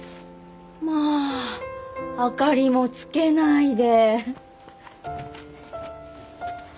まあ明かりもつけないで。